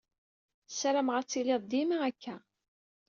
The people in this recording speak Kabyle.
Ssarameɣ ad tettili dima akka.